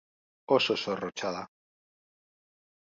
Oso zorrotza da.